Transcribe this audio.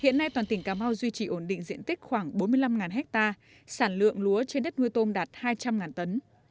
hiện nay toàn tỉnh cà mau duy trì ổn định diện tích khoảng bốn mươi năm ha sản lượng lúa trên đất nuôi tôm đạt hai trăm linh tấn